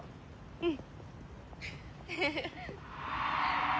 うん！